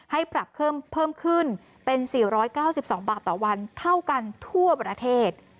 ให้ปรับเพิ่มขึ้นเป็น๔๙๒บาทต่อวันเท่ากันทั่วประเทศ